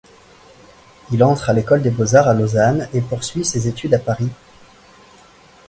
Il entre à l'école des beaux-Arts à Lausanne et poursuit ses études à Paris.